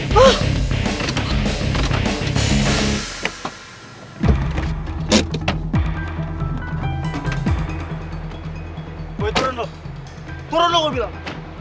boleh turun dulu turun dulu gue bilang